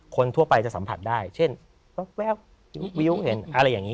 คนทั่วไปจะสัมผัสได้เช่นแว๊บวิวเห็นอะไรอย่างนี้